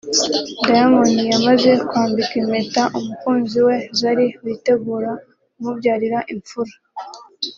Diamond yamaze kwambika impeta umukunzi we Zari witegura kumubyarira imfura